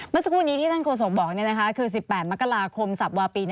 เมื่อสักครู่นี้ที่ท่านโฆษกบอกคือ๑๘มกราคมสับวาปี